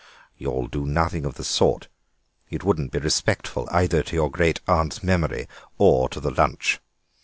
"You'll do nothing of the sort. It wouldn't be respectful either to your great aunt's memory or to the lunch.